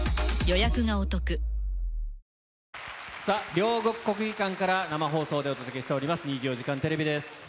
両国国技館から生放送でお届けしております、２４時間テレビです。